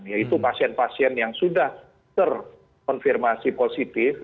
yaitu pasien pasien yang sudah terkonfirmasi positif